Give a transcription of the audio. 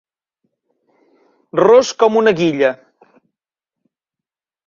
Ros com una guilla.